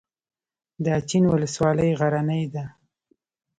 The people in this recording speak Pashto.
د اچین ولسوالۍ غرنۍ ده